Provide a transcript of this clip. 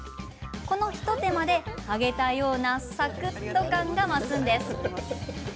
この一手間で、揚げたようなサクッと感が増すんです。